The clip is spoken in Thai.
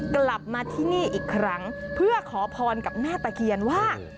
กลับมาที่นี่อีกครั้งเพื่อขอพรกับแม่ตะเคียนว่า